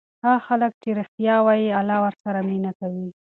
هغه خلک چې ریښتیا وایي الله ورسره مینه کوي.